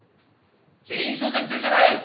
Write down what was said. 全員捜査に取りかかれ！